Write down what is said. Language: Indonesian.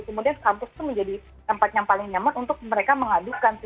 kemudian kampus itu menjadi tempat yang paling nyaman untuk mereka mengadukan